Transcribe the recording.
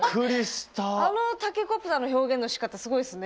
あのタケコプターの表現のしかたすごいですね。